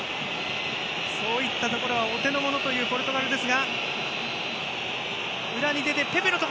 そういったところはお手の物というポルトガルですが。